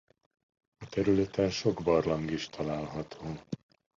A területen sok barlang is található.